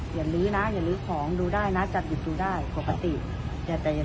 แต่ด้วยที่ว่าน้องอาจจะหยิบหลายอย่างแบบนั้น